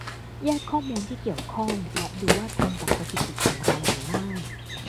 แยกข้อมูลที่เกี่ยวข้องและดูว่าตรงกับสถิติของเราหรือไม่